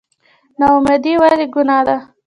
نااميدي ولې ګناه ده؟